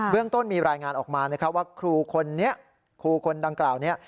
เรื่องต้นมีรายงานออกมานะครับว่าครูคนนี้ครูคนดังกล่าวนี้